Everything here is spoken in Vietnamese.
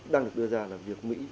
đang được đưa ra là việc mỹ